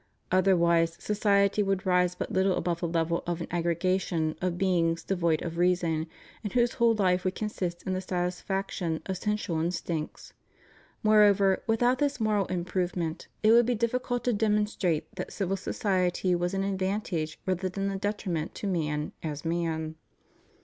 Other wise society would rise but little above the level of an aggregation of beings devoid of reason, and whose whole life would consist in the satisfaction of sensual instincts. Moreover, without this moral improvement it would be difficult to demonstrate that civil society was an advan tage rather than a detriment to man, as man.